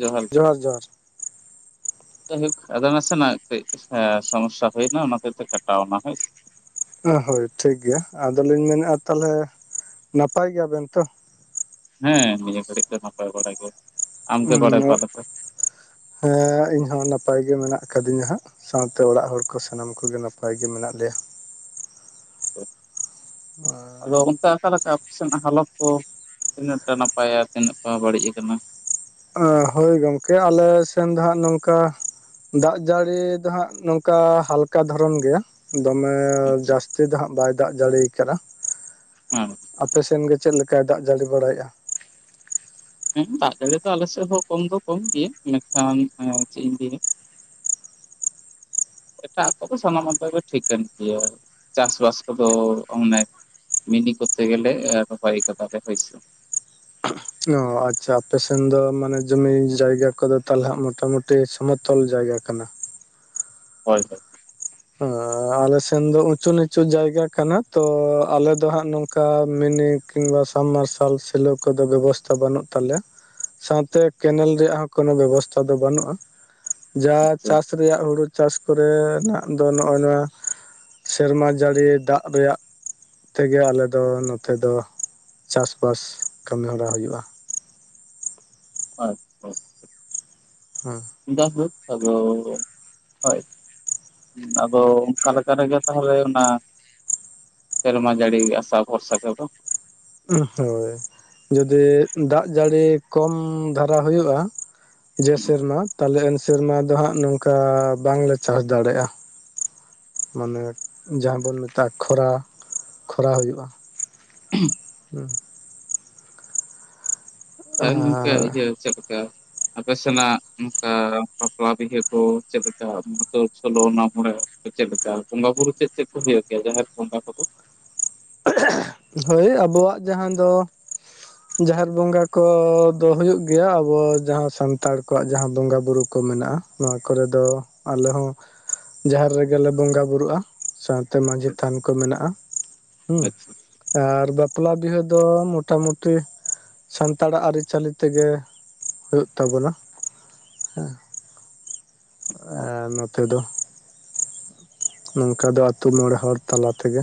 ᱡᱚᱦᱟᱨ᱾ [inaudible] ᱟᱫᱚ ᱱᱟᱥᱮᱸᱱᱟᱜ ᱥᱚᱢᱚᱥᱥᱟ ᱦᱩᱭᱱᱟ ᱚᱱᱟᱛᱮ ᱛᱮ ᱠᱟᱴᱟᱣ ᱱᱟ ᱦᱳᱭ ᱥᱮ᱾ ᱦᱳ ᱦᱳᱭ ᱴᱷᱤᱠ ᱜᱮᱭᱟ, ᱟᱫᱚᱞᱤᱧ ᱢᱮᱱᱮᱼᱟ ᱛᱟᱦᱚᱞᱮ ᱱᱟᱯᱟᱭ ᱜᱮᱭᱟᱵᱮᱱ ᱛᱚ? ᱦᱮᱸ ᱱᱤᱭᱟᱹ ᱜᱷᱟᱹᱲᱤᱡ ᱫᱚ ᱱᱟᱯᱟᱭ ᱵᱟᱲᱟ ᱜᱮ᱾ ᱟᱢᱜᱮ ᱵᱟᱲᱟᱭ ᱚᱠᱟ ᱞᱮᱠᱟ [unintelligible] ᱦᱮᱸ ᱤᱧᱦᱚ ᱱᱟᱯᱟᱭ ᱜᱮ ᱢᱮᱱᱟᱜ ᱠᱟᱫᱤᱧᱟ ᱦᱟᱸᱜ᱾ ᱥᱟᱶᱛᱮ ᱚᱲᱟᱜ ᱦᱚᱲ ᱠᱚ ᱥᱟᱱᱟᱢ ᱠᱚᱜᱮ ᱱᱟᱯᱟᱭ ᱜᱮ ᱢᱮᱱᱟᱜ ᱞᱮᱭᱟ᱾ ᱟᱫᱚ ᱚᱠᱟ ᱞᱮᱠᱟ ᱥᱮᱱᱟᱜ ᱦᱟᱞᱚᱛ ᱠᱚ ᱛᱤᱱᱟᱹᱜᱴᱟ ᱱᱟᱯᱟᱭᱟ ᱛᱤᱱᱟᱹᱜ ᱵᱟᱹᱲᱤᱡ ᱟᱠᱟᱱᱟ? ᱦᱳᱭ ᱜᱚᱝᱠᱮ ᱟᱞᱮ ᱥᱮᱱ ᱫᱚ ᱦᱟᱸᱜ ᱱᱚᱝᱠᱟ ᱫᱟᱜ ᱡᱟᱹᱲᱤ ᱫᱚ ᱦᱟᱸᱜ ᱱᱚᱝᱠᱟ ᱦᱟᱞᱠᱟ ᱫᱷᱚᱨᱚᱱ ᱜᱮᱭᱟ᱾ ᱫᱚᱢᱮ ᱟᱪᱪᱷᱟ ᱡᱟᱹᱥᱛᱤ ᱫᱚ ᱦᱟᱸᱜ ᱵᱟᱭ ᱫᱟᱜ ᱡᱟᱹᱲᱤᱭᱟ ᱠᱟᱫᱟ, ᱦᱮᱸ ᱟᱯᱮ ᱥᱮᱱ ᱜᱮ ᱪᱮᱫ ᱞᱮᱠᱟᱭ ᱫᱟᱜ ᱡᱟᱹᱲᱤ ᱵᱟᱲᱟᱭᱮᱜᱼᱟ? ᱦᱮᱸ ᱫᱟᱜ ᱡᱟᱹᱲᱤ ᱫᱚ ᱟᱞ ᱥᱮᱫ ᱦᱚᱸ ᱠᱚᱢ ᱫᱚ ᱠᱚᱢ ᱜᱮᱭᱟ ᱢᱮᱱᱠᱷᱟᱱ ᱪᱮᱫ ᱤᱧ ᱞᱟᱹᱭᱟ ᱮᱴᱟᱜ ᱠᱚᱫᱚ ᱥᱟᱱᱟᱢ ᱢᱟᱛ ᱜᱮ ᱴᱷᱤᱠᱟᱹᱱ ᱜᱮᱭᱟ ᱪᱟᱥᱵᱟᱥ ᱠᱚᱫᱚ, ᱚᱱᱮᱠ ᱢᱤᱱᱤ ᱠᱚᱛᱮ ᱜᱮᱞᱮ ᱨᱚᱦᱚᱭ ᱠᱟᱫᱟᱞᱮ ᱦᱳᱭᱥᱮ᱾ ᱚ ᱟᱪᱪᱷᱟ ᱟᱯᱮ ᱥᱮᱱ ᱫᱚ ᱢᱟᱱᱮ ᱡᱚᱢᱤ ᱡᱟᱭᱜᱟ ᱠᱚᱫᱚ ᱛᱟᱞᱦᱮ ᱢᱚᱴᱟ ᱢᱩᱴᱤ ᱴᱤ ᱥᱚᱢᱚᱛᱚᱞ ᱡᱟᱭᱜᱟ ᱠᱟᱱᱟ᱾ ᱦᱳᱭ ᱦᱳᱭ ᱟᱻ ᱟᱞᱮᱥᱱ ᱫᱚ ᱩᱪᱩ ᱱᱤᱪᱩ ᱡᱟᱭᱜᱟ ᱠᱟᱱᱟ ᱛᱚ ᱟᱞᱮ ᱫᱚ ᱦᱟᱸᱜ ᱱᱚᱝᱠᱟ ᱢᱤᱱᱤ ᱠᱤᱝᱵᱟ ᱥᱟᱢ ᱢᱟᱨᱥᱟᱞ ᱥᱮᱞᱚ ᱠᱚᱫᱚ ᱵᱮᱵᱚᱥᱛᱷᱟ ᱵᱟᱹᱱᱩᱜ ᱛᱟᱞᱮᱭᱟ᱾ ᱥᱟᱶᱛᱮ ᱠᱮᱱᱮᱞ ᱨᱮᱭᱟᱜ ᱦᱚᱸ ᱠᱳᱱᱳ ᱵᱮᱵᱚᱥᱛᱷᱟ ᱫᱚ ᱵᱟᱹᱱᱩᱜᱼᱟ᱾ ᱡᱟ ᱟᱪᱪᱷᱟ ᱪᱟᱥ ᱨᱮᱭᱟᱜ ᱦᱩᱲᱩ ᱪᱟᱥ ᱠᱚᱨᱮ ᱱᱟᱜ ᱫᱚ ᱱᱚᱜ-ᱚᱭ ᱱᱚᱣᱟ ᱥᱮᱨᱢᱟ ᱡᱟᱹᱲᱤ ᱫᱟᱜ ᱨᱮᱭᱟᱜ ᱛᱮᱜᱮ ᱟᱞᱮ ᱫᱚ ᱱᱚᱛᱮ ᱫᱚ ᱪᱟᱥ ᱵᱟᱥ ᱠᱟᱹᱢᱤ ᱦᱚᱨᱟ ᱦᱩᱭᱩᱜᱼᱟ᱾ ᱟᱪᱪᱷᱟ᱾ ᱦᱮᱸ ᱡᱟᱭᱦᱳᱠ ᱟᱫᱚ ᱦᱚᱭ ᱟᱫᱚ ᱚᱱᱠᱟ ᱞᱮᱠᱟ ᱨᱮᱜᱮ ᱛᱟᱦᱚᱞᱮ ᱚᱱᱟ ᱥᱮᱨᱢᱟ ᱡᱟᱹᱲᱤ ᱟᱥᱟ ᱵᱷᱚᱨᱥᱟ ᱛᱮᱫᱚ ᱩᱜ ᱦᱳᱭ᱾ ᱡᱩᱫᱤ ᱫᱟᱜ ᱡᱟᱹᱲᱤ ᱠᱚᱢ ᱫᱷᱟᱨᱟ ᱦᱳᱭᱳᱜᱼᱟ, ᱡᱮ ᱥᱮᱨᱢᱟ ᱛᱟᱦᱞᱮ ᱮᱱ ᱥᱮᱨᱢᱟ ᱫᱚ ᱦᱟᱸᱜ ᱱᱚᱝᱠᱟ ᱵᱟᱝᱞᱮ ᱪᱟᱥ ᱫᱟᱲᱮᱭᱟᱜᱼᱟ᱾ ᱢᱟᱱᱮ ᱡᱟᱦᱟᱸ ᱵᱩᱱ ᱢᱮᱛᱟᱜᱼᱟ ᱠᱷᱚᱨᱟ ᱠᱷᱚᱨᱟ ᱦᱩᱭᱩᱜᱼᱟ ᱾ [unintelligible] ᱦᱩ [unintelligible] ᱟᱨ ᱤᱭᱟᱹ ᱪᱮᱫ ᱞᱮᱠᱟ ᱟᱯᱮ ᱥᱮᱱᱟᱜ ᱱᱚᱝᱠᱟ ᱵᱟᱯᱞᱟ ᱵᱤᱦᱟᱹ ᱠᱚ ᱪᱮᱫ ᱞᱮᱠᱟ [unintelligible] ᱢᱟᱜ ᱢᱚᱬᱮ ᱪᱮᱫ ᱞᱮᱠᱟ ᱵᱚᱸᱜᱟ ᱵᱩᱨᱩ ᱪᱮᱫ ᱪᱮᱫ ᱠᱚ ᱦᱩᱭᱩᱜ ᱜᱮᱭᱟ ᱡᱟᱦᱮᱨ ᱵᱚᱸᱜᱟ ᱠᱚ ᱫᱚ ᱦᱳᱭ ᱟᱵᱚᱣᱟᱜ ᱡᱟᱦᱟᱸ ᱫᱚ ᱡᱟᱦᱮᱨ ᱵᱚᱸᱜᱟ ᱠᱚᱫᱚ ᱦᱩᱭᱩᱜ ᱜᱮᱭᱟ ᱟᱵᱚ ᱡᱟᱦᱟᱸ ᱥᱟᱱᱛᱟᱲ ᱠᱚᱣᱟᱜ ᱡᱟᱦᱟᱸ ᱵᱚᱸᱜᱟ ᱵᱩᱨᱩ ᱠᱚ ᱢᱮᱱᱟᱜᱼᱟ ᱾ ᱱᱚᱣᱟ ᱠᱚᱨᱮ ᱫᱚ ᱟᱞᱮ ᱦᱚᱸ ᱡᱟᱦᱮᱨ ᱨᱮᱜᱮᱞᱮ ᱵᱚᱸᱜᱟ ᱵᱩᱨᱩᱜᱼᱟ ᱾ ᱥᱟᱶᱛᱮ ᱢᱟᱺᱡᱷᱤ ᱛᱷᱟᱱ ᱠᱚ ᱢᱮᱱᱟᱜᱼᱟ ᱾ ᱦᱮᱸ ᱟᱪᱪᱷᱟ ᱟᱨ ᱵᱟᱯᱞᱟ ᱵᱤᱦᱟᱹ ᱫᱚ ᱢᱚᱴᱟ ᱢᱩᱴᱤ ᱥᱟᱱᱛᱟᱲᱟᱜ ᱟᱹᱨᱤᱪᱟᱹᱞᱤ ᱛᱮᱜᱮ ᱦᱩᱭᱩᱜ ᱛᱟᱵᱚᱱᱟ ᱦᱮᱸ, ᱟ ᱱᱚᱛᱮ ᱫᱚ ᱱᱚᱝᱠᱟ ᱫᱚ ᱟᱛᱳ ᱢᱚᱲᱮ ᱦᱚᱲ ᱛᱟᱞᱟ ᱛᱮᱜᱮ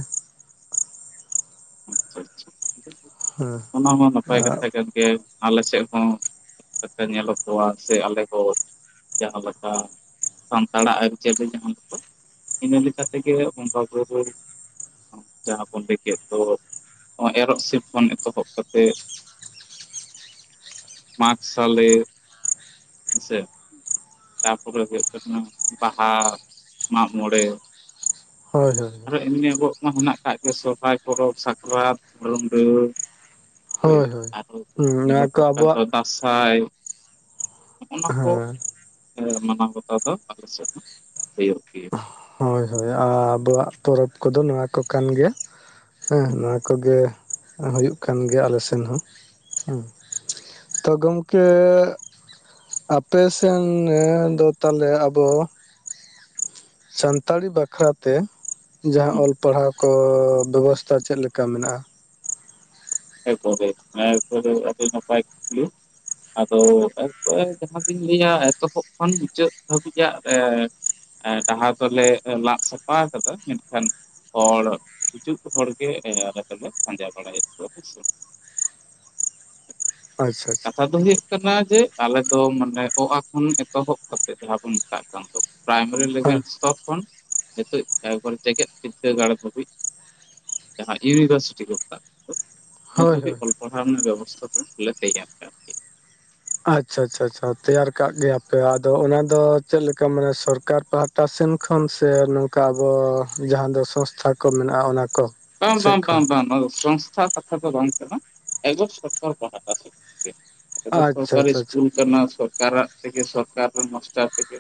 [unintelligible] ᱦᱮᱸ ᱚᱱᱟ ᱢᱟ ᱦᱚᱸ ᱱᱟᱯᱟᱭ ᱠᱟᱛᱷᱟ ᱠᱟᱱ ᱜᱮᱭᱟ ᱟᱞᱮ ᱥᱮᱫ ᱦᱚᱸ ᱞᱮᱠᱟ ᱧᱮᱞᱚᱜ ᱠᱚᱣᱟ ᱥᱮ ᱟᱞᱮ ᱦᱚᱸ ᱡᱟᱦᱟᱸ ᱞᱮᱠᱟ ᱥᱟᱱᱛᱟᱲᱟᱜ ᱟᱹᱨᱤᱪᱟᱹᱞᱤ ᱡᱟᱦᱟᱸ ᱞᱮᱠᱟ ᱤᱱᱟᱹ ᱞᱮᱠᱟ ᱛᱮᱜᱮ ᱵᱚᱸᱜᱟ ᱵᱩᱨᱩ ᱡᱟᱦᱟᱸ ᱵᱚᱱ ᱞᱟᱹᱭ ᱠᱮᱫ ᱫᱚ ᱮᱨᱚᱜ ᱥᱤᱞ ᱠᱷᱚᱱ ᱮᱛᱚᱦᱚᱵ ᱠᱟᱛᱮᱫ ᱢᱟᱜ ᱥᱟᱞᱮ ᱦᱮᱸ ᱥᱮ ᱛᱟᱯᱚᱨᱮ ᱦᱩᱭᱩᱜ ᱠᱟᱱᱟ ᱵᱟᱦᱟ ᱢᱟᱜᱢᱚᱬᱮ ᱦᱳᱭ ᱦᱳᱭ ᱟᱨᱚ ᱮᱢᱱᱤ ᱟᱵᱚᱣᱟᱜ ᱢᱟ ᱢᱮᱱᱟᱜ ᱠᱟᱜ ᱜᱮᱭᱟ ᱥᱚᱨᱦᱟᱭ ᱯᱚᱨᱚᱵᱽ, ᱥᱟᱠᱨᱟᱛ, ᱨᱩᱸᱰᱟᱹ ᱦᱳ ᱦᱳᱭ ᱦᱳᱭ ᱟᱨ ᱦᱩᱸ ᱱᱚᱣᱟ ᱠᱚ ᱧᱮᱞᱚᱜᱚᱜ ᱠᱟᱱ ᱟᱵᱚᱣᱟᱜ ᱫᱚ ᱫᱟᱸᱥᱟᱭ ᱦᱚᱸᱜᱼ ᱱᱟ ᱠᱚ ᱦᱮᱸ ᱢᱟᱱᱟᱣ ᱵᱟᱛᱟᱣ ᱫᱚ ᱟᱞᱮ ᱥᱮᱫ ᱦᱚᱸ ᱦᱩᱭᱩᱜ ᱜᱮᱭᱟ ᱾ ᱦᱳᱭ ᱦᱳᱭ ᱟᱨ ᱟᱵᱚᱣᱟᱜ ᱯᱚᱨᱚᱵᱽ ᱠᱚᱫᱚ ᱱᱚᱣᱟ ᱠᱚ ᱠᱟᱱ ᱜᱮᱭᱟ ᱾ ᱦᱮᱸ ᱱᱚᱣᱟ ᱠᱚᱜᱮ ᱦᱩᱭᱩᱜ ᱠᱟᱱ ᱜᱮᱭᱟ ᱟᱞᱮ ᱥᱮᱱ ᱦᱚᱸ ᱛᱚ ᱜᱚᱢᱠᱮ ᱟᱯᱮᱥᱮᱱ ᱫᱚ ᱛᱟᱦᱚᱞᱮ ᱟᱵᱚ ᱥᱟᱱᱛᱟᱲᱤ ᱵᱟᱠᱷᱨᱟ ᱛᱮ ᱡᱟᱦᱟᱸ ᱚᱞ ᱯᱟᱲᱦᱟᱣ ᱠᱚ ᱵᱮᱵᱚᱥᱛᱟ ᱪᱮᱫ ᱞᱮᱠᱟ ᱢᱮᱱᱟᱜᱼᱟ? ᱮ ᱠᱚᱨᱮᱜᱮ ᱟᱰᱤ ᱱᱟᱯᱟᱭ ᱠᱩᱠᱞᱤ ᱟᱫᱚ ᱮ ᱡᱟᱦᱟᱸᱛᱤᱧ ᱞᱟᱹᱭᱟ ᱮᱛᱚᱦᱚᱵ ᱠᱷᱚᱱ ᱢᱩᱪᱟᱹᱫ ᱫᱷᱟᱹᱵᱤᱡᱟᱜ ᱮ ᱰᱟᱦᱟᱨ ᱫᱚᱞᱮ ᱞᱟᱜ ᱥᱟᱯᱷᱟ ᱠᱟᱫᱟ ᱢᱮᱱᱠᱷᱟᱱ ᱦᱚᱲ ᱦᱤᱡᱩᱜ ᱦᱚᱲ ᱜᱮ ᱫᱚᱞᱮ ᱯᱟᱸᱡᱟ ᱵᱟᱲᱟᱭᱮᱫ ᱠᱚᱣᱟ ᱦᱮᱥᱮ ᱟᱪᱪᱷᱟ ᱟᱪᱪᱷᱟ ᱠᱟᱛᱷᱟ ᱫᱚ ᱦᱩᱭᱩᱜ ᱠᱟᱱᱟ ᱡᱮ ᱟᱞᱮ ᱫᱚ ᱢᱟᱱᱮ ᱚ ᱟ ᱠᱷᱚᱱ ᱮᱛᱚᱦᱚᱵ ᱠᱟᱛᱮᱫ ᱡᱟᱦᱟᱸ ᱵᱚᱱ ᱢᱮᱛᱟᱜ ᱠᱟᱱ ᱫᱚ ᱯᱨᱟᱭᱢᱟᱨᱤ ᱦᱮᱸ ᱞᱮᱵᱮᱞ ᱥᱛᱚᱨ ᱠᱷᱚᱱ ᱱᱤᱛᱚᱜ ᱮᱠᱵᱟᱨᱮ ᱡᱮᱜᱮᱫ ᱵᱤᱫᱽᱫᱟᱹᱜᱟᱲ ᱫᱷᱟᱹᱵᱤᱡ ᱡᱟᱦᱟᱸ ᱤᱭᱩᱱᱤᱵᱷᱟᱨᱥᱤᱴᱤ ᱠᱚ ᱢᱮᱛᱟᱜ ᱠᱟᱱ ᱫᱚ ᱩᱱᱟᱹᱜ ᱦᱳᱭ ᱦᱳᱭ ᱫᱷᱟᱹᱵᱤᱡ ᱚᱞ ᱯᱟᱲᱦᱟᱣ ᱨᱮᱱᱟᱜ ᱵᱮᱵᱚᱥᱛᱷᱟ ᱫᱚᱞᱮ ᱛᱮᱭᱟᱨ ᱠᱟᱜ ᱯᱮᱭᱟ ᱾ ᱟᱪᱪᱷᱟ ᱟᱪᱪᱷᱟ ᱟᱪᱪᱷᱟ ᱛᱮᱭᱟᱨ ᱠᱟᱜ ᱜᱮᱭᱟᱯᱮ ᱟᱫᱚ ᱚᱱᱟ ᱫᱚ ᱪᱮᱫ ᱞᱮᱠᱟ ᱢᱟᱱᱮ ᱥᱚᱨᱠᱟᱨ ᱯᱟᱦᱴᱟ ᱯᱟᱦᱴᱟ ᱥᱮᱱ ᱠᱷᱚᱱ ᱥᱮ ᱱᱚᱝᱠᱟ ᱟᱵᱚ ᱡᱟᱦᱟᱸ ᱫᱚ ᱥᱚᱝᱥᱛᱷᱟ ᱠᱚ ᱢᱮᱱᱟᱜᱼᱟ ᱚᱱᱟ ᱠᱚ ᱵᱟᱝ ᱥᱮᱫ ᱵᱟᱝ ᱠᱷᱚᱱ ᱵᱟᱝ ᱵᱟᱝ ᱥᱚᱝᱥᱛᱷᱟ ᱠᱟᱛᱷᱟ ᱫᱚ ᱵᱟᱝ ᱠᱟᱱᱟ ᱠᱟᱱᱟ ᱮᱠᱫᱚᱢ ᱥᱚᱨᱠᱟᱨ ᱯᱟᱦᱴᱟ ᱥᱮᱫ ᱜᱮ ᱟᱪᱪᱷᱟ ᱥᱚᱨᱠᱟᱨᱤ ᱟᱪᱪᱷᱟ ᱟᱪᱪᱷᱟ ᱥᱠᱩᱞ ᱠᱟᱱᱟ ᱥᱚᱨᱠᱟᱨᱟᱜ ᱛᱮᱜᱮ ᱥᱚᱨᱠᱟᱨ ᱨᱮᱱ ᱢᱟᱥᱴᱟᱨ ᱛᱮᱜᱮ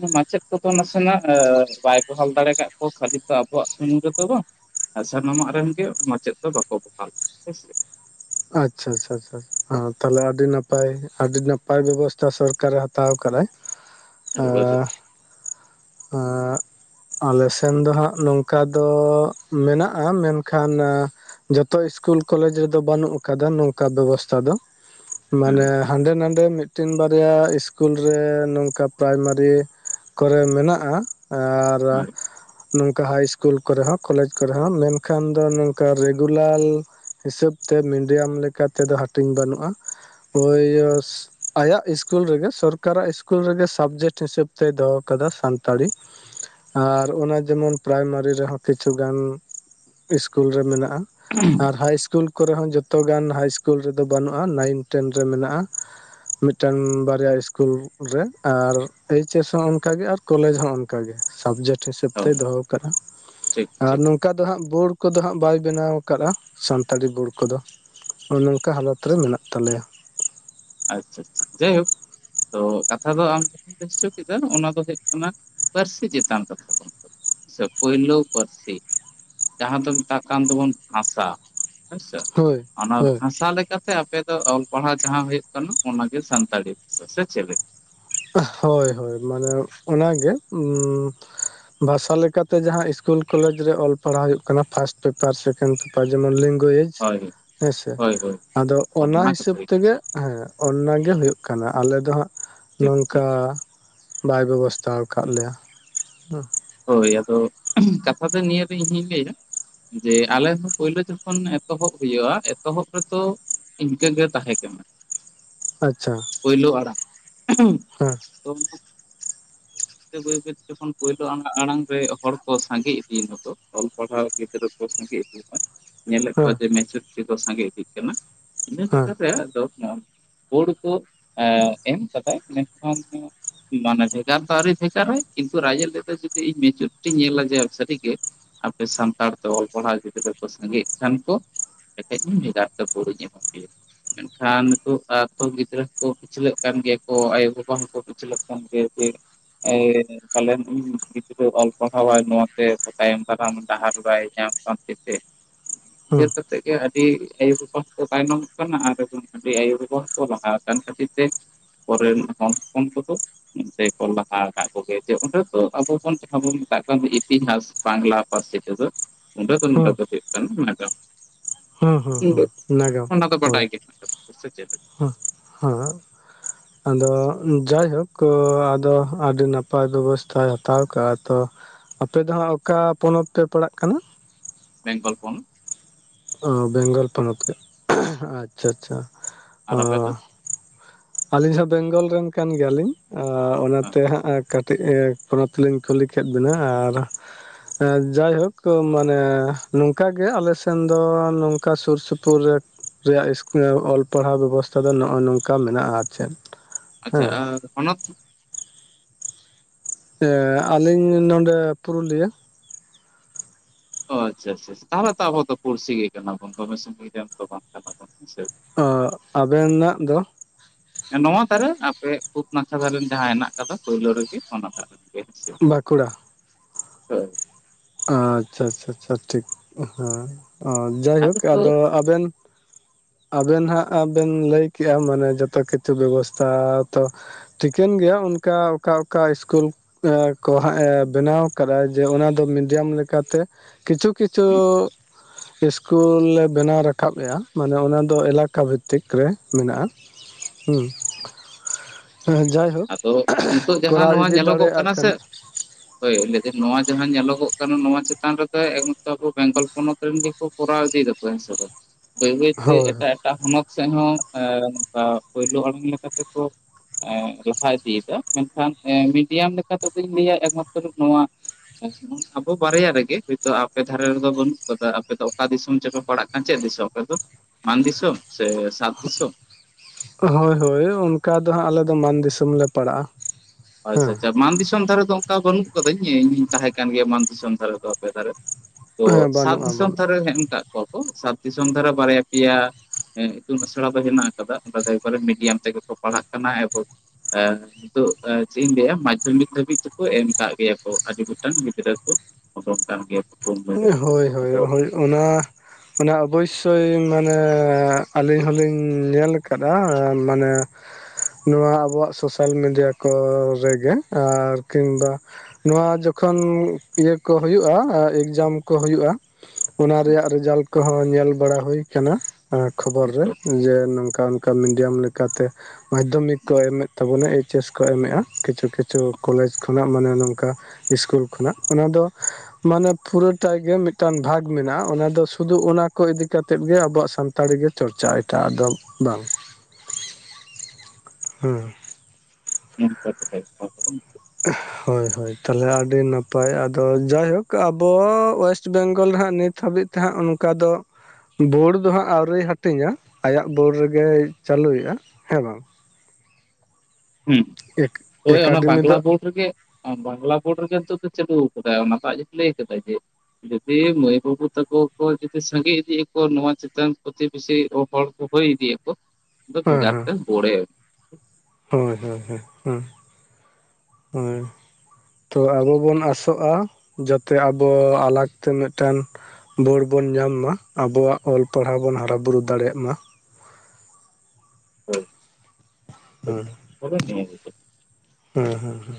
ᱫᱚ ᱢᱟᱪᱮᱫ ᱠᱚᱫᱚ ᱱᱟᱥᱮᱱᱟᱜ ᱵᱟᱭ ᱵᱚᱦᱟᱞ ᱫᱟᱲᱮ ᱠᱟᱫ ᱠᱚᱣᱟ ᱠᱷᱟᱹᱞᱤ ᱛᱚ ᱟᱵᱚᱣᱟᱜ ᱥᱚᱢ ᱛᱮ ᱵᱟᱝ ᱥᱟᱱᱟᱢᱟᱜ ᱨᱮᱱ ᱜᱮ ᱢᱟᱪᱮᱫ ᱫᱚ ᱵᱟᱠᱚ ᱵᱚᱦᱟᱞ ᱟᱠᱟᱱᱟ ᱾ ᱟᱪᱪᱷᱟ ᱟᱪᱪᱷᱟ ᱛᱟᱦᱞᱮ ᱟᱹᱰᱤ ᱱᱟᱯᱟᱭ ᱟᱹᱰᱤ ᱱᱟᱯᱟᱭ ᱵᱮᱵᱚᱥᱛᱷᱟ ᱥᱚᱨᱠᱟᱨᱮ ᱦᱟᱛᱟᱣ ᱟᱠᱟᱫᱟᱭ ᱾ ᱟ ᱟ ᱟᱞᱮᱥᱮᱱ ᱫᱚ ᱦᱟᱸᱜ ᱱᱚᱝᱠᱟ ᱫᱚ ᱢᱮᱱᱟᱜᱼᱟ ᱢᱮᱱᱠᱷᱟᱱ ᱡᱚᱛᱚ ᱤᱥᱠᱩᱞ ᱠᱚᱞᱮᱡᱽ ᱨᱮᱫᱚ ᱵᱟᱹᱱᱩᱜ ᱟᱠᱟᱫᱟ ᱱᱚᱝᱠᱟ ᱵᱮᱵᱚᱥᱛᱷᱟ ᱫᱚ ᱢᱟᱱᱮ ᱦᱟᱸᱰᱮ ᱱᱟᱰᱮ ᱢᱤᱫᱴᱮᱱ ᱵᱟᱨᱭᱟ ᱤᱥᱠᱩᱞ ᱨᱮ ᱱᱚᱝᱠᱟ ᱯᱨᱟᱭᱢᱟᱨᱤ ᱠᱚᱨᱮ ᱢᱮᱱᱟᱜᱼᱟ ᱟᱨ ᱱᱚᱝᱠᱟ ᱦᱟᱭ ᱤᱥᱠᱩᱞ ᱠᱚᱨᱮ ᱦᱚ ᱠᱚᱞᱮᱡᱽ ᱠᱚᱨᱮ ᱦᱚ ᱢᱮᱱᱠᱷᱟᱱ ᱫᱚ ᱱᱚᱝᱠᱟ ᱨᱮᱜᱩᱞᱟᱞ ᱦᱤᱥᱟᱹᱵ ᱛᱮ ᱢᱤᱰᱤᱭᱟᱢ ᱞᱮᱠᱟ ᱛᱮᱫᱚ ᱦᱟᱹᱴᱤᱧ ᱵᱟᱹᱱᱩᱜᱼᱟ ᱳᱭ ᱟᱭᱟᱜ ᱥᱠᱩᱞ ᱨᱮᱜᱮ ᱥᱚᱨᱠᱟᱨᱟᱜ ᱥᱠᱩᱞ ᱨᱮᱜᱮ ᱥᱟᱵᱡᱮᱠᱴ ᱦᱤᱥᱟᱹᱵ ᱛᱮᱭ ᱫᱚᱦᱚ ᱟᱠᱟᱫᱟ ᱥᱟᱱᱛᱟᱲᱤ ᱟᱨ ᱚᱱᱟ ᱡᱮᱢᱚᱱ ᱯᱨᱟᱭᱢᱟᱨᱤ ᱨᱮᱦᱚ ᱠᱤᱪᱷᱩ ᱜᱟᱱ ᱤᱥᱠᱩᱞ ᱨᱮ ᱢᱮᱱᱟᱜ ᱟᱨ ᱦᱟᱭ ᱤᱥᱠᱩᱞ ᱠᱚᱨᱮ ᱦᱚᱸ ᱡᱚᱛ ᱛᱚ ᱜᱟᱱ ᱦᱟᱭ ᱤᱥᱠᱩᱞ ᱨᱮᱫᱚ ᱵᱟᱹᱱᱩᱜᱼᱟ ᱱᱟᱭᱤᱱ ᱴᱮᱱ ᱨᱮ ᱢᱮᱱᱟᱜᱼᱟ ᱢᱤᱫᱴᱟᱝ ᱵᱟᱨᱭᱟ ᱥᱠᱩᱞ ᱨᱮ ᱟᱨ ᱮᱭᱤᱪ ᱮᱥ ᱦᱚᱸ ᱚᱱᱠᱟ ᱜᱮ ᱟᱨ ᱠᱚᱞᱮᱡ ᱦᱚᱸ ᱚᱱᱠᱟ ᱜᱮ ᱥᱟᱵᱡᱮᱠᱴ ᱦᱤᱥᱟᱹᱵ ᱛᱮᱭ ᱫᱚᱦᱚ ᱟᱠᱟᱜᱼᱟ, ᱴᱷᱤᱠ ᱟᱨ ᱴᱷᱤᱠ ᱱᱚᱝ ᱚᱱᱠᱟ ᱫᱚ ᱦᱟᱸᱜ ᱵᱳᱲ ᱠᱚᱫᱚ ᱦᱟᱸᱜ ᱵᱟᱭ ᱵᱮᱱᱟᱣ ᱟᱠᱟᱫ-ᱟ, ᱥᱟᱱᱛᱟᱲᱤ ᱵᱳᱲ ᱠᱚᱫᱚ ᱚᱱᱮ ᱚᱱᱠᱟ ᱦᱟᱞᱚᱛ ᱨᱮ ᱴᱷᱤᱠ ᱢᱮᱱᱟᱜ ᱛᱟᱞᱮᱭᱟ ᱟᱪᱪᱷᱟ ᱟᱪᱪᱷᱟ ᱡᱟᱭᱦᱳᱠ ᱛᱚ ᱠᱟᱛᱷᱟ ᱫᱚ ᱟᱢ ᱡᱟᱦᱟᱢ ᱞᱟᱹᱭ ᱦᱚᱪᱚ [unintelligible] ᱚᱱᱟ ᱫᱚ ᱦᱩᱭᱩᱜ ᱠᱟᱱᱟ ᱯᱟᱹᱨᱥᱤ ᱪᱮᱛᱟᱱ ᱠᱟᱛᱷᱟ ᱥᱮ ᱯᱳᱭᱞᱳ ᱯᱟᱹᱨᱥᱤ ᱡᱟᱦᱟ ᱫᱚ ᱢᱮᱛᱟᱜ ᱠᱟᱱ ᱛᱟᱵᱚᱱ ᱵᱷᱟᱥᱟ ᱦᱳᱭ ᱥᱮ ᱦᱳᱭ ᱚᱱᱟ ᱦᱳᱭ ᱵᱷᱟᱥᱟ ᱞᱮᱠᱟᱛᱮ ᱟᱯᱮ ᱫᱚ ᱚᱞ ᱯᱟᱲᱦᱟᱣ ᱡᱟᱦᱟᱸ ᱦᱩᱭᱩᱜ ᱠᱟᱱᱟ ᱚᱱᱟᱜᱮ ᱥᱟᱱᱛᱟᱲᱤ ᱵᱷᱟᱥᱟ ᱥᱮ ᱪᱮᱫ ᱞᱮᱠᱟ ᱦᱳᱭ ᱦᱳᱭ ᱢᱟᱱᱮ ᱚᱱᱟᱜᱮ ᱩᱢᱻ ᱵᱷᱟᱥᱟ ᱞᱮᱠᱟ ᱛᱮ ᱡᱟᱦᱟ ᱤᱥᱠᱩᱞ ᱠᱚᱞᱮᱡ ᱨᱮ ᱚᱞ ᱯᱟᱲᱦᱟᱣ ᱦᱩᱭᱩᱜ ᱠᱟᱱᱟ ᱯᱷᱟᱥᱴ ᱯᱮᱯᱟᱨ ᱥᱮᱠᱮᱱᱰ ᱯᱮᱯᱟᱨ ᱡᱮᱢᱚᱱ ᱞᱤᱝᱜᱩᱭᱤᱡ ᱦᱳᱭ, ᱦᱳᱭ ᱦᱳᱭ ᱟᱫᱚ ᱚᱱᱟ ᱠᱟᱛᱷᱟ ᱦᱤᱥᱟᱹᱵ ᱜᱮ ᱛᱮᱜᱮ ᱦᱮᱸ ᱚᱱᱟ ᱜᱮ ᱦᱩᱭᱩᱜ ᱠᱟᱱᱟ ᱟᱞᱮ ᱫᱚ ᱦᱟᱸᱜ ᱴᱷᱤᱠ ᱱᱚᱝᱠᱟ ᱴᱷᱤᱠ ᱵᱟᱭ ᱵᱮᱵᱚᱥᱛᱟ ᱟᱠᱟᱜ ᱞᱮᱭᱟ ᱦᱳᱭ ᱟᱫᱚ ᱠᱟᱛᱷᱟ ᱫᱚ ᱱᱤᱭᱟᱹ ᱫᱚ ᱤᱧ ᱦᱚᱧ ᱞᱟᱹᱭᱟ, ᱡᱮ ᱟᱞᱮ ᱫᱚ ᱯᱳᱭᱞᱳ ᱡᱚᱠᱷᱚᱱ ᱮᱛᱚᱦᱚᱵ ᱦᱩᱭᱩᱜᱼᱟ ᱮᱛᱚᱦᱚᱵ ᱨᱮᱫᱚ ᱤᱱᱠᱟᱹ ᱜᱮ ᱛᱟᱦᱮᱸ ᱠᱟᱱᱟ ᱟᱪᱪᱷᱟ ᱯᱳᱭᱞᱳ ᱟᱲᱟᱜ ᱦᱮᱸ ᱵᱟᱹᱭ ᱵᱟᱹᱭ ᱛᱮ ᱡᱚᱠᱷᱚᱱ [unintelligible] ᱟᱲᱟᱝ ᱨᱮ ᱦᱚᱲ ᱠᱚ ᱥᱟᱸᱜᱮ ᱤᱫᱤᱭᱮᱱ ᱫᱚᱠᱚ ᱚᱞ ᱯᱟᱲᱦᱟᱣ ᱜᱤᱫᱽᱨᱟᱹ ᱠᱚ ᱥᱟᱸᱜᱮ ᱤᱫᱤᱭᱮᱱᱟ ᱧᱮᱞᱮᱫ ᱠᱚᱣᱟ ᱡᱮ ᱢᱮᱥᱮᱡ ᱛᱮᱠᱚ ᱥᱟᱸᱜᱮ ᱤᱫᱤᱜ ᱠᱟᱱᱟ, ᱤᱱᱟᱹᱞᱮᱠᱟᱛᱮ ᱟᱫᱚ, ᱵᱳᱲ ᱫᱚ ᱮᱻ ᱮᱢ ᱟᱠᱟᱫᱟᱭ ᱢᱮᱱᱠᱷᱟᱱ ᱢᱟᱱᱮ ᱵᱷᱮᱜᱟᱨ ᱫᱚ ᱟᱹᱣᱨᱤ ᱵᱷᱮᱜᱟᱨᱟᱭ ᱠᱤᱱᱛᱩ ᱨᱟᱡᱽ ᱡᱩᱫᱤ ᱤᱧ ᱢᱮᱪᱩᱨᱤᱴᱤᱧ ᱧᱮᱞᱟ ᱡᱮ ᱥᱟᱹᱨᱤᱜᱮ, ᱟᱯᱮ ᱥᱟᱱᱛᱟᱲ ᱛᱮ ᱚᱞ ᱯᱟᱲᱦᱟᱣ ᱜᱤᱫᱽᱨᱟᱹ ᱠᱚ ᱥᱟᱸᱜᱮᱜ ᱠᱷᱟᱱ ᱠᱚ ᱛᱮᱫ ᱤᱧ ᱵᱷᱮᱜᱟᱨ ᱛᱮ ᱯᱩᱨᱟᱹᱧ ᱮᱢᱚᱜ ᱜᱮᱭᱟ᱾ ᱢᱮᱱᱠᱷᱟᱱ ᱱᱤᱛᱚᱜ ᱛᱳ ᱜᱤᱫᱽᱨᱟᱹ ᱦᱚᱸᱠᱚ ᱯᱤᱪᱷᱞᱟᱹᱜ ᱠᱟᱱ ᱜᱮᱭᱟ ᱠᱚ ᱟᱭᱳ ᱵᱟᱵᱟ ᱦᱚᱸᱠᱚ ᱯᱤᱪᱷᱞᱟᱹᱜ ᱚᱱᱮ ᱡᱮ ᱮ ᱯᱟᱞᱮᱱ ᱤᱧ, ᱜᱤᱫᱽᱨᱟᱹ ᱚᱞ ᱯᱟᱲᱦᱟᱣ ᱟᱭ ᱱᱚᱣᱟ ᱛᱮ ᱛᱟᱭᱚᱢ ᱫᱟᱨᱟᱢ ᱰᱟᱦᱟᱨ ᱵᱟᱭ ᱧᱟᱢ ᱠᱷᱟᱱ ᱥᱮ ᱪᱮᱫ ᱡᱮᱛᱚ, ᱟᱹᱰᱤ ᱟᱭᱳ ᱵᱟᱵᱟ ᱛᱟᱭᱱᱚᱢᱚᱜ ᱠᱟᱱᱟ, ᱟᱨ ᱟᱵᱚᱱ ᱟᱹᱰᱤ ᱟᱭᱳ ᱵᱟᱵᱟ ᱦᱚᱸᱠᱚ ᱞᱟᱦᱟ ᱠᱟᱱ ᱠᱷᱟᱹᱛᱤᱨ ᱛᱮ ᱯᱚᱨᱮᱜ ᱨᱮᱱ ᱦᱚᱱ ᱦᱚᱯᱚᱱ ᱠᱚᱫᱚ ᱚᱱᱛᱮ ᱜᱮᱠᱚ ᱞᱟᱦᱟ ᱟᱠᱟᱫ ᱠᱚᱜᱮ ᱡᱮ ᱚᱸᱰᱮ ᱫᱚ ᱟᱵᱚ ᱡᱟᱦᱟᱸ ᱵᱚᱱ ᱢᱮᱛᱟᱜ ᱠᱟᱱ ᱤᱛᱤᱦᱟᱥ ᱵᱟᱝᱞᱟ ᱯᱟᱹᱨᱥᱤ ᱛᱮᱫᱚ ᱚᱸᱰᱮ ᱫᱚ ᱱᱚᱝᱠᱟ ᱠᱟᱛᱮ, ᱚᱱᱟ ᱫᱚ ᱤᱧ ᱫᱚ ᱱᱟᱜᱟᱢ ᱚᱱᱟ ᱫᱚ ᱦᱳᱭ ᱵᱟᱰᱟᱭ ᱜᱮ ᱵᱟᱝ ᱥᱮ ᱪᱮᱫ, ᱦᱮᱸ ᱟᱫᱚ ᱡᱟᱭ ᱦᱳᱠ ᱳᱻ ᱟᱫᱚ ᱟᱹᱰᱤ ᱱᱟᱯᱟᱭ ᱵᱮᱵᱚᱥᱛᱷᱟᱭ ᱦᱟᱛᱟᱣ ᱟᱠᱟᱜ-ᱟ ᱛᱚ ᱟᱯᱮ ᱫᱚ ᱦᱟᱸᱜ ᱚᱠᱟ ᱯᱚᱱᱚᱛ ᱯᱮ ᱯᱟᱲᱟᱜ ᱠᱟᱱᱟ ᱵᱮᱝᱜᱚᱞᱯᱚᱱ, ᱚ ᱵᱮᱝᱜᱚᱞ ᱯᱚᱱᱚᱛ ᱠᱷᱚᱡᱟᱜ ᱟᱪᱪᱷᱟ ᱟᱪᱪᱷᱟ ᱟᱨ ᱟᱯᱮ ᱫᱚ ᱚᱸ, ᱟᱹᱞᱤᱧ ᱦᱚᱸ ᱵᱮᱝᱜᱚᱞ ᱨᱮᱱ ᱠᱟᱱ ᱜᱮᱭᱟᱞᱤᱧ ᱟᱻ ᱚᱱᱟᱛᱮ ᱦᱟᱸᱜ ᱮᱸ ᱯᱚᱱᱚᱛ ᱞᱤᱧ ᱠᱩᱞᱤ ᱠᱮᱫ ᱵᱤᱱᱟ ᱟᱨ ᱮᱸ ᱡᱟᱭᱦᱳᱠ ᱢᱟᱱᱮ ᱱᱚᱝᱠᱟ ᱜᱮ ᱟᱞᱮ ᱥᱮᱱᱼᱼ ᱫᱚ ᱱᱚᱝᱠᱟ ᱥᱩᱨ ᱥᱩᱯᱩᱨ ᱨᱮᱼᱼ ᱨᱮᱭᱟᱜ ᱤᱥᱩᱞ ᱚᱞ ᱯᱟᱲᱦᱟᱣ ᱵᱮᱵᱚᱥᱛᱟ ᱫᱚ ᱱᱚᱜ-ᱚᱭ ᱱᱚᱝᱠᱟ ᱢᱮᱱᱟᱜ-ᱟ ᱟᱨ ᱪᱮᱫᱼᱼ ᱟᱪᱪᱷᱟ ᱟᱨ ᱦᱚᱸ ᱱᱚᱛᱼᱼ ᱦᱮᱸ ᱟᱞᱤᱧ ᱱᱚᱸᱰᱮ ᱯᱩᱨᱩᱞᱤᱭᱟᱹ᱾ ᱚᱻ ᱟᱪᱪᱷᱟ ᱟᱪᱪᱷᱟ ᱪᱷᱟ ᱛᱟᱦᱚᱞᱮ ᱛᱚ ᱟᱵᱚ ᱫᱚ ᱯᱩᱲᱥᱤ ᱜᱮ ᱠᱟᱱᱟ ᱵᱚᱱ ᱛᱚ ᱫᱚᱢᱮ ᱥᱟᱹᱜᱤᱧ ᱨᱮᱱ ᱫᱚ ᱵᱟᱝ ᱠᱟᱱᱟ ᱵᱚᱱ ᱦᱮᱸᱥᱮ᱾ ᱚ ᱟᱵᱮᱱᱟᱜ ᱫᱚ? ᱦᱮᱸ ᱱᱚᱣᱟ ᱫᱷᱟᱨᱮ ᱟᱯᱮ ᱯᱩᱯ ᱱᱟᱠᱷᱟ ᱫᱷᱟᱨᱮᱱ ᱡᱟᱦᱟᱸ ᱦᱮᱱᱟᱜ ᱟᱠᱟᱫᱟ ᱯᱳᱭᱞᱳ ᱨᱮᱜᱮ ᱚᱱᱟ ᱴᱟᱜ ᱨᱮ᱾ ᱵᱟᱸᱠᱩᱲᱟ [unintelligible] ᱦᱳᱭ᱾ ᱟᱪᱪᱷᱟ ᱟᱪᱪᱷᱟ ᱟᱪᱪᱷᱟ ᱴᱷᱤᱠ ᱦᱮᱸ ᱟᱸᱻ ᱡᱟᱭᱦᱳᱠ ᱟᱫᱚ ᱟᱵᱮᱱᱼᱼ ᱟᱵᱮᱱ ᱦᱟᱸᱜ ᱵᱮᱱ ᱞᱟᱹᱭ ᱠᱮᱜ-ᱟ ᱢᱟᱱᱮ ᱡᱚᱛᱚ ᱠᱤᱪᱷᱩ ᱵᱮᱵᱚᱥᱛᱟ ᱛᱚᱼᱼ ᱴᱷᱤᱠᱟᱹᱱ ᱜᱮᱭᱟ ᱚᱱᱠᱟ ᱚᱠᱟ ᱚᱠᱟ ᱤᱥᱠᱩᱞ ᱠᱚ ᱦᱟᱸᱜ ᱵᱮᱱᱟᱣ ᱟᱠᱟᱫᱟ ᱡᱮ ᱚᱱᱟ ᱫᱚ ᱢᱤᱫ ᱭᱟᱢ ᱞᱮᱠᱟᱛᱮ ᱠᱤᱪᱷᱩ ᱠᱤᱪᱷᱩ, ᱤᱥᱠᱩᱞ ᱞᱮ ᱵᱮᱱᱟᱣ ᱨᱟᱠᱟᱵ ᱞᱮᱜ-ᱟ ᱢᱟᱱᱮ ᱚᱱᱟ ᱫᱚ ᱮᱞᱟᱠᱟ ᱵᱷᱤᱛᱛᱤᱠ ᱨᱮ ᱢᱮᱱᱟᱜ-ᱟ᱾ ᱦᱩᱸ, ᱦᱮᱸ ᱡᱟᱭᱦᱳᱠ ᱟᱫᱚ ᱱᱤᱛᱚᱜ ᱡᱟᱦᱟᱸ ᱠᱚᱨᱟᱣ ᱱᱚᱣᱟ ᱤᱫᱤ ᱧᱮᱞᱚᱜᱚᱜ ᱫᱟᱲᱮᱭᱟᱜ ᱠᱟᱱᱟ ᱥᱮ ᱠᱟᱱᱟᱼᱼ ᱦᱳᱭ ᱞᱟᱹᱭ ᱫᱟᱹᱧ ᱱᱚᱣᱟ ᱡᱟᱦᱟᱸ ᱧᱮᱞᱚᱜᱚᱜ ᱠᱟᱱᱟ ᱱᱚᱣᱟ ᱪᱮᱛᱟᱱ ᱨᱮᱫᱚ ᱮᱠ ᱢᱟᱛᱨᱚ ᱟᱵᱚ ᱵᱮᱝᱜᱚᱞ ᱯᱚᱱᱚᱛ ᱨᱮᱱ ᱜᱮᱠᱚᱼᱼ ᱠᱚᱨᱟᱣ ᱤᱫᱤᱭ ᱮᱫᱟᱠᱚ ᱦᱮᱸ ᱥᱮ ᱵᱟᱝ ᱵᱟᱹᱭ ᱵᱟᱹᱭ ᱛᱮ ᱦᱳᱭ ᱮᱴᱟᱜᱼᱼ ᱮᱴᱟᱜ ᱯᱚᱱᱚᱛ ᱥᱮᱫ ᱦᱚᱸ ᱮ ᱱᱚᱝᱠᱟ ᱯᱳᱭᱞᱳ ᱟᱲᱟᱝ ᱞᱮᱠᱟ ᱛᱮᱠᱚ ᱮᱸᱻ ᱞᱟᱦᱼᱼ ᱟ ᱤᱫᱤ ᱭᱮᱫᱟ ᱢᱮᱱᱠᱷᱟᱱ ᱮᱸ ᱢᱤᱰᱤᱭᱟᱢ ᱞᱮᱠᱟ ᱛᱮᱫᱩᱧ ᱞᱟᱹᱭᱟ ᱮᱠ ᱢᱟᱛᱨᱚ ᱱᱚᱣᱟᱼᱼ ᱮᱠ‌ᱢᱚᱱ ᱟᱵᱚ ᱵᱟᱨᱭᱟ ᱨᱮᱜᱮ ᱦᱚᱭᱛᱳ ᱟᱯᱮ ᱫᱷᱟᱨᱮ ᱨᱮᱫᱚ ᱵᱟᱹᱱᱩᱜ ᱠᱟᱫᱟ ᱟᱯᱮ ᱫᱚ ᱚᱠᱟ ᱫᱤᱥᱚᱢ ᱪᱚ ᱯᱮ ᱯᱟᱲᱟᱜᱼᱼ ᱟᱸ ᱪᱮᱜ ᱫᱤᱥᱚᱢ ᱟᱯᱮ‌ ᱫᱚ ᱢᱟᱱ ᱫᱤᱥᱚᱢ ᱥᱮ ᱥᱟᱸᱛ ᱫᱤᱥᱚᱢ? ᱦᱳᱭ ᱦᱳᱭ ᱚᱱᱠᱟ ᱫᱚ ᱦᱟᱸᱜ ᱟᱞᱮ ᱫᱚ ᱢᱟᱱ ᱫᱤᱥᱚᱢ ᱞᱮ ᱯᱟᱲᱟᱜ-ᱟ᱾ ᱦᱚᱭ ᱥᱮ ᱟᱪᱪᱷᱟ ᱢᱟᱱ ᱫᱤᱥᱚᱢ ᱫᱷᱟᱨᱮ ᱫᱚ ᱚᱱᱠᱟ ᱵᱟᱹᱱᱩᱜ ᱠᱟᱹᱫᱟᱹᱧ ᱤᱧᱤᱧ ᱛᱟᱦᱮᱸ ᱠᱟᱱ ᱜᱮᱭᱟ ᱢᱟᱱ ᱫᱤᱥᱚᱢ ᱫᱷᱟᱨᱮ ᱫᱚ ᱟᱯᱮ ᱫᱷᱟᱨᱮ᱾ ᱛᱚ ᱦᱮᱸ ᱥᱟᱛ ᱵᱟᱹᱱᱩᱜᱼᱟ ᱫᱤᱥᱚᱢ ᱵᱟᱹᱱᱩᱜᱼᱟ ᱫᱷᱟᱨᱮ ᱦᱮᱸ ᱮᱢ ᱠᱟᱜ ᱠᱚᱣᱟ ᱠᱚ ᱥᱟᱛ ᱫᱤᱥᱚᱢ ᱫᱷᱟᱨᱮ ᱵᱟᱨᱭᱟ ᱯᱮᱭᱟᱼᱼ ᱦᱮᱸ ᱤᱛᱩᱱ ᱟᱥᱲᱟ ᱫᱚ ᱦᱮᱱᱟᱜ ᱟᱠᱟᱫᱟ ᱚᱱᱠ‌ᱟ ᱫᱚ ᱮᱠᱵᱟᱨᱮ ᱢᱤᱰᱤᱭᱟᱢ ᱛᱮᱜᱮ ᱠᱚ ᱯᱟᱲᱦᱟᱜ ᱠᱟᱱᱟ ᱮᱵᱚᱼᱼ ᱦᱮᱸ ᱱᱤᱛᱩᱜᱼ ᱚᱻ ᱪᱮᱜ ᱤᱧ ᱞᱟᱹᱭᱟ ᱢᱟᱫᱽᱫᱷᱚᱢᱤᱠ ᱫᱷᱟᱹᱵᱤᱡ ᱪᱮᱠᱚ ᱮᱢ ᱠᱟᱜ ᱜᱮᱭᱟ ᱠᱚ ᱟᱰᱤ ᱜᱚᱴᱟᱝ ᱜᱤᱫᱽᱨᱟᱹ ᱠᱚ᱾ ᱚᱰᱚᱠ ᱠᱟᱱ ᱜᱮᱼᱼ ᱩᱸ ᱦᱳᱭ ᱦᱳᱭ ᱦᱳᱭ ᱚᱱᱟᱼᱼ ᱚᱱᱟ ᱚᱵᱚᱭᱥᱥᱚᱭ ᱢᱟᱱᱮ ᱟᱹᱞᱤᱧ ᱦᱚᱞᱤᱧ ᱧᱮᱞ ᱠᱟᱫ-ᱟ ᱢᱟᱱᱮᱼᱼ ᱱᱚᱣᱟ ᱟᱵᱚᱣᱟᱜ ᱥᱳᱥᱟᱞ ᱢᱤᱰᱤᱭᱟ ᱠᱚ ᱨᱮᱜᱮ ᱟᱨ ᱠᱤᱝᱵᱟᱼᱼ ᱱᱚᱣᱟ ᱡᱚᱠᱷᱚᱱ ᱤᱭᱟᱹ ᱠᱚ ᱦᱩᱭᱩᱜ-ᱟ ᱮᱠᱡᱼᱼ ᱟᱢ ᱠᱚ ᱦᱩᱭᱩᱜ-ᱟ ᱚᱱᱟ ᱨᱮᱭᱟᱜ ᱨᱮᱡᱟᱞᱴ ᱠᱚᱦᱚᱸ ᱧᱮᱞ ᱵᱟᱲᱟ ᱦᱩᱭ ᱠᱟᱱᱟ᱾ ᱟᱸᱻ ᱠᱷᱚᱵᱚᱨ ᱨᱮ ᱡᱮ ᱱᱚᱝᱠᱟ ᱚᱱᱠᱟ ᱢᱤᱰᱤᱭᱟᱢ ᱞᱮᱠᱟ ᱛᱮᱼ ᱢᱟᱫᱽᱫᱷᱚᱢᱤᱠ ᱠᱚ ᱮᱢᱮᱜ ᱛᱟᱵᱚᱱᱟ ᱮᱭᱤᱪᱮᱥ ᱠᱚ ᱮᱢᱮᱜ-ᱟ ᱠᱤᱪᱷᱩ ᱠᱤᱪᱷᱩ ᱠᱚᱞᱮᱡᱽ ᱠᱷᱚᱱᱟᱜ ᱢᱟᱱᱮ ᱱᱚᱝᱠᱟᱼᱼ ᱤᱥᱠᱩᱞ ᱠᱷᱚᱱᱟᱜ ᱚᱱᱟ ᱫᱚ ᱢᱟᱱᱮᱼᱼ ᱯᱩᱨᱟᱹ ᱴᱟᱜ ᱜᱮ ᱢᱤᱫᱴᱟᱝ ᱵᱷᱟᱜᱽ ᱢᱮᱱᱟᱜ-ᱟ ᱚᱱᱟ ᱫᱚ ᱥᱩᱫᱩ ᱚᱱᱟ ᱠᱚ ᱤᱫᱤ ᱠᱟᱛᱮᱫ ᱜᱮ ᱟᱵᱚᱣᱟᱜ ᱥᱟᱱᱼ ᱛᱟᱲᱤ ᱜᱮ ᱪᱚᱨᱪᱟᱜ-ᱟ ᱮᱴᱟᱜ ᱟᱜ ᱫᱚ ᱵᱟᱝ, ᱦᱩᱸ᱾ [unintelligible] ᱦᱩᱸ ᱦᱚᱭ ᱦᱚᱭ ᱛᱟᱦᱚᱞᱮ ᱟᱹᱰᱤ ᱱᱟᱯᱟᱭ ᱟᱫᱚ ᱡᱟᱭᱦᱳᱠ ᱟᱵᱚ ᱣᱮᱥᱴ ᱵᱮᱝᱜᱚᱞ ᱨᱮᱦᱟᱸᱜ ᱱᱤᱛᱼᱼ ᱦᱟᱹᱵᱤᱡ ᱛᱮᱦᱟᱸᱜ ᱚᱱᱠᱟ ᱫᱚᱼ ᱵᱩᱲ ᱫᱚ ᱦᱟᱸᱜ ᱟᱣᱨᱤᱭ ᱦᱟᱴᱤᱧᱟ ᱟᱭᱟᱜ ᱵᱩᱲ ᱨᱮᱜᱮᱭ ᱪᱟᱹᱞᱩ ᱭᱟ ᱦᱮᱸ ᱵᱟᱝ᱾ ᱦᱩᱸ ᱦᱳᱭ ᱚᱱᱟ ᱮᱠᱟᱰᱮᱢᱤ ᱵᱟᱝᱜᱽᱞᱟ ᱫᱚ ᱵᱳᱰ ᱨᱮᱜᱮᱼᱼ ᱟᱸᱻ ᱵᱟᱝᱜᱽᱞᱟ ᱵᱳᱨᱰ ᱨᱮᱜᱮ ᱱᱤᱛᱚᱜ ᱫᱚ ᱪᱟᱹᱞᱩᱣ ᱠᱟᱫᱟᱭ ᱚᱱᱟ ᱴᱟᱜ ᱟᱡᱮᱫ ᱞᱟᱹᱭ ᱟᱠᱟ ᱫᱟᱭ ᱡᱮᱼᱼ ᱡᱩᱫᱤ ᱢᱟᱹᱭ ᱵᱟᱹᱵᱩ ᱛᱟᱠᱚ ᱠᱚ ᱡᱩᱫᱤ ᱥᱟᱸᱜᱮ ᱤᱫᱤ ᱟᱠᱚ ᱱᱚᱣᱟ ᱪᱮᱛᱟᱱ ᱯᱨᱚᱛᱤ ᱵᱤᱥᱚᱭ ᱳᱼᱼ ᱦᱚᱲ‌ ᱠᱚ ᱦᱩᱭ ᱤᱫᱤᱜ ᱟᱠᱚ ᱟᱫᱚ ᱵᱷᱮᱜᱟᱨ ᱛᱮ ᱵᱳᱲᱮᱼᱼ ᱦᱚᱭ ᱦᱚᱭ ᱦᱚᱭ ᱦᱚᱸ ᱦᱚᱭ᱾ ᱛᱚᱵᱮ ᱟᱵᱚ ᱵᱚᱱ ᱟᱥᱚᱜ-ᱟ ᱡᱚᱛᱮ ᱟᱵᱚ ᱟᱞᱟᱜᱽ ᱛᱮ ᱢᱤᱫᱴᱮᱱᱼᱼ ᱵᱳᱲ ᱵᱚᱱ ᱧᱟᱢ ᱢᱟ ᱟᱵᱚᱣᱟᱜ ᱚᱞ ᱯᱟᱲᱦᱟᱣ ᱵᱚᱱ ᱦᱟᱨᱟ ᱵᱩᱨᱩ ᱫᱟᱲᱮᱭᱟᱜ ᱢᱟ᱾ ᱦᱳᱭ᱾ ᱦᱩᱸ [unintelligible] ᱦᱮᱸ ᱦᱮᱸ ᱦᱮᱸ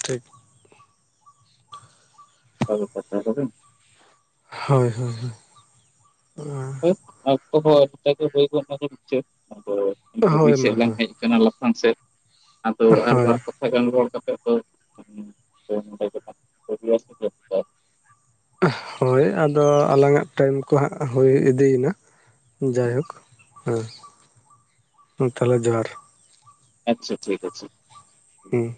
ᱴᱷᱤᱠ [unintelligible] ᱦᱳᱭ ᱦᱳᱭ ᱦᱳᱭ ᱦᱳᱭ ᱢᱟ ᱦᱳᱭ [unintelligible] ᱠᱟᱱᱟ ᱞᱟᱯᱷᱟᱝ ᱥᱮᱜ ᱟᱫᱚ ᱦᱳᱭ [unintelligible] [unintelligible] ᱦᱳᱭ ᱟᱫᱚ ᱟᱞᱟᱝᱟᱜ ᱴᱟᱭᱤᱢ ᱠᱚ ᱦᱟᱸᱜ ᱦᱩᱭ ᱤᱫᱤᱭᱮᱱᱟ ᱡᱟᱭᱦᱳᱠ ᱛᱟᱦᱚᱞᱮ ᱡᱚᱦᱟᱨ᱾ ᱟᱪᱪᱷᱟ ᱴᱷᱤᱠ ᱟᱪᱷᱮ᱾ ᱦᱮᱸ